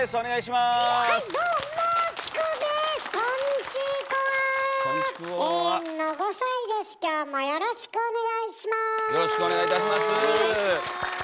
まずはよろしくお願いします。